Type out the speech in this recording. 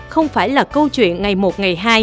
không phải là câu chuyện ngày một ngày hai